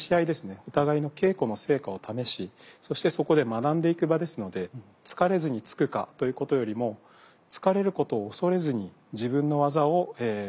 お互いの稽古の成果を試しそしてそこで学んでいく場ですので突かれずに突くかということよりも突かれることを恐れずに自分の技を繰り出していく。